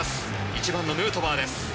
１番のヌートバーです。